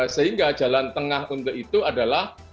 sehingga jalan tengah untuk itu adalah